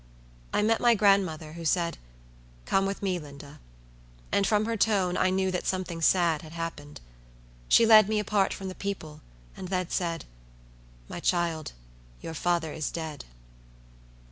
I met my grandmother, who said, "Come with me, Linda;" and from her tone I knew that something sad had happened. She led me apart from the people, and then said, "My child, your father is dead."